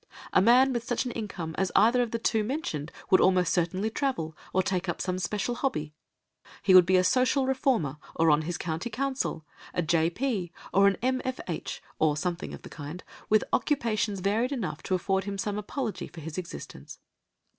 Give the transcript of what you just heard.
A man with such an income as either of the two mentioned would almost certainly travel, or take up some special hobby; he would be a social reformer, or on his County Council, a J.P., a M.F.H., or something of the kind, with occupations varied enough to afford him some apology for his existence.